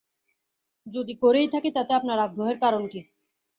যদি করেই থাকি তাতে আপনার আগ্রহের কারণ কি?